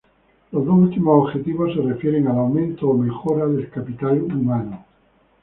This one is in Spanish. Los dos últimos objetivos se refieren al aumento o mejora del capital humano.